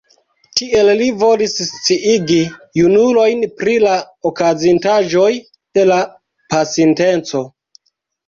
Tiel li volis sciigi junulojn pri la okazintaĵoj de la pasinteco.